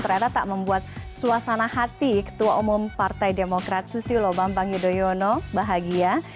ternyata tak membuat suasana hati ketua umum partai demokrat susilo bambang yudhoyono bahagia